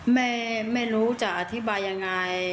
ไม่รู้จะอธิบายยังไง